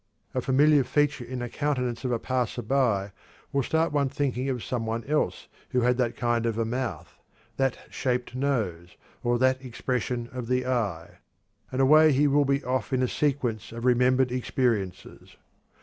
A familiar feature in the countenance of a passer by will start one thinking of some one else who had that kind of a mouth, that shaped nose, or that expression of the eye and away he will be off in a sequence of remembered experiences.